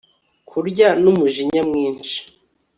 Kurya numujinya mwinshi